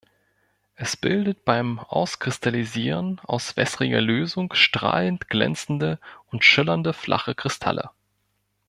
Es bildet beim Auskristallisieren aus wässriger Lösung strahlend glänzende und schillernde flache Kristalle.